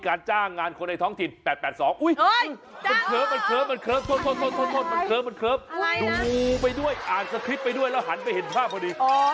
อ๋อตาหลุดตาหลุด